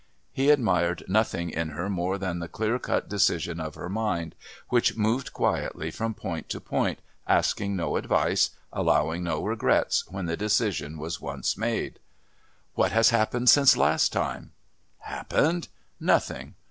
He admired nothing in her more than the clear cut decision of her mind, which moved quietly from point to point, asking no advice, allowing no regrets when the decision was once made. "What has happened since last time?" "Happened? Nothing.